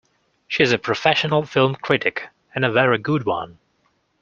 She's a professional film critic, and a very good one.